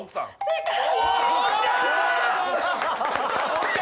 正解！